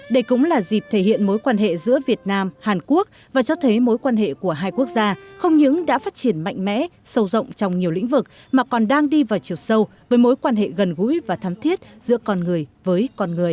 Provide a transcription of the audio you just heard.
đây cũng là dịp thể hiện mối quan hệ giữa việt nam hàn quốc và cho thấy mối quan hệ của hai quốc gia không những đã phát triển mạnh mẽ sâu rộng trong nhiều lĩnh vực mà còn đang đi vào chiều sâu với mối quan hệ gần gũi và thắm thiết giữa con người với con người